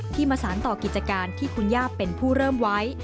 มาสารต่อกิจการที่คุณย่าเป็นผู้เริ่มไว้